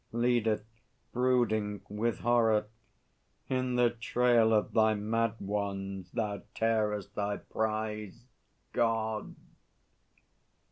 LEADER (brooding, with horror). In the trail of thy Mad Ones Thou tearest thy prize, God!